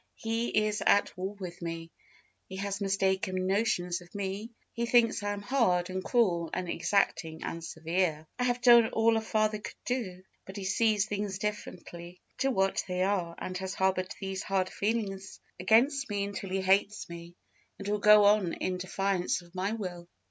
He is at war with me; he has mistaken notions of me; he thinks I am hard, and cruel, and exacting, and severe. I have done all a father could do, but he sees things differently, to what they are, and has harbored these hard feelings against me until he hates me, and will go on in defiance of my will."